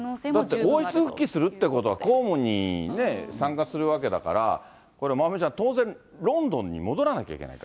だって、王室復帰するってことは公務に参加するわけだから、これ、まおみちゃん、当然ロンドンに戻らなきゃいけないと。